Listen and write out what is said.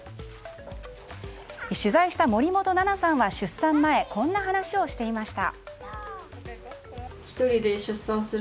取材した森本奈々さんは出産前こんな話をしていました。